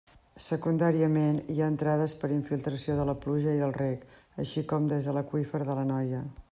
Secundàriament, hi ha entrades per infiltració de la pluja i el reg, així com des de l'aqüífer de l'Anoia.